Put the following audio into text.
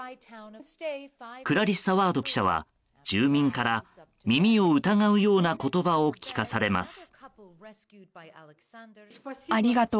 クラリッサ・ワード記者は住民から耳を疑うような言葉を聞かされます。